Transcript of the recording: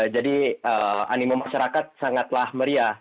jadi animo masyarakat sangatlah meriah